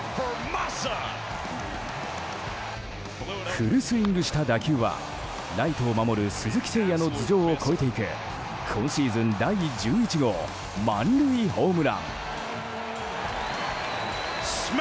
フルスイングした打球はライトを守る鈴木誠也の頭上を越えていく今シーズン第１１号満塁ホームラン。